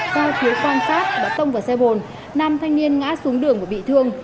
do thiếu quan sát đã tông vào xe bồn nam thanh niên ngã xuống đường và bị thương